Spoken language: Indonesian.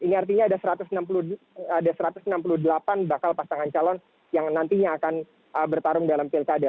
ini artinya ada satu ratus enam puluh delapan bakal pasangan calon yang nantinya akan bertarung dalam pilkada